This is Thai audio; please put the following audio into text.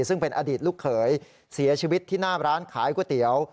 ซึ่งเป็นอดีตลูกเขยเสียชีวิตที่หน้าร้านขายก๋วยเตี๋ยว